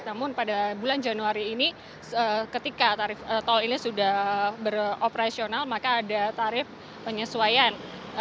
namun pada bulan januari ini ketika tarif tol ini sudah beroperasional maka ada tarif penyesuaian